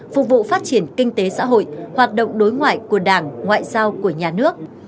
phục vụ phát triển kinh tế xã hội hoạt động đối ngoại của đảng ngoại giao của nhà nước